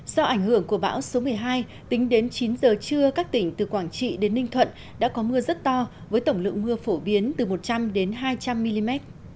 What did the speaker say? do ảnh hưởng của bão số một mươi hai tính đến chín giờ trưa các tỉnh từ quảng trị đến ninh thuận đã có mưa rất to với tổng lượng mưa phổ biến từ một trăm linh đến hai trăm linh mm